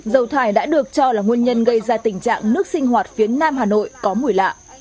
dầu thải đã được cho là nguyên nhân gây ra tình trạng nước sinh hoạt phía nam hà nội có mùi lạ